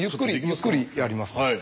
ゆっくりやりますね。